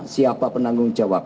siapa penanggung jawab